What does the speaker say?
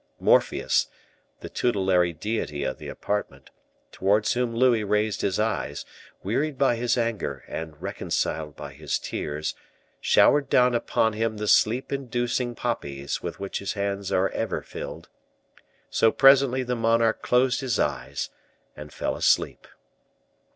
Morpheus, the tutelary deity of the apartment, towards whom Louis raised his eyes, wearied by his anger and reconciled by his tears, showered down upon him the sleep inducing poppies with which his hands are ever filled; so presently the monarch closed his eyes and fell asleep.